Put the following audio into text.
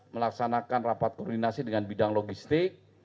melaksanakan rapat koordinasi dengan bidang logistik